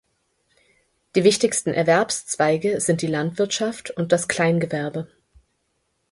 Die wichtigsten Erwerbszweige sind die Landwirtschaft und das Kleingewerbe.